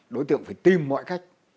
đối tượng phải tìm mọi cách